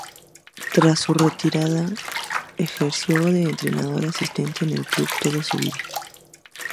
Tras su retirada, ejerció de entrenador asistente en el club de toda su vida.